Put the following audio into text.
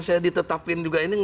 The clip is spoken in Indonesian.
saya ditetapkan juga ini